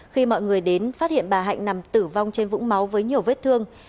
khi mọi người đến phát hiện bà hạnh nằm tử vong trên vũng máu với nhiều vết thương